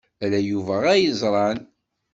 Ala Yuba ay yeẓran.